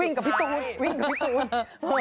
วิ่งกับพี่ตูน